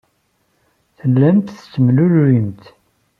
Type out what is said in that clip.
Tellamt tettemlelluyemt.